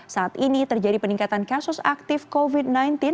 saat ini terjadi peningkatan kasus aktif covid sembilan belas